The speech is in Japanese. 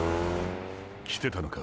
来てたのか。